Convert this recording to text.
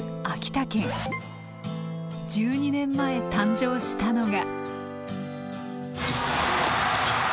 １２年前誕生したのが。